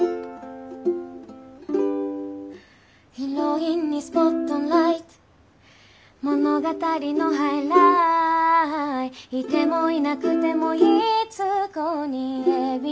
「ヒロインにスポットライト物語のハイライト」「いてもいなくてもいい通行人Ａ．Ｂ．ＣのＬＩＦＥ」